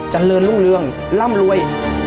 เจริญรุ่งร่ำรวย